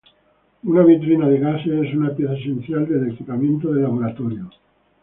Una vitrina de gases es una pieza esencial del equipamiento de laboratorio.